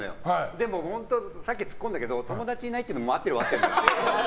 でも、さっきツッコんだけど友達いないっていうのも合ってるは合ってるのよ。